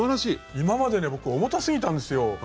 今までね僕重たすぎたんですよ。